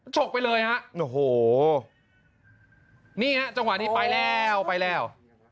ฉกไปเลยฮะโอ้โหนี่ฮะจังหวะนี้ไปแล้วไปแล้ว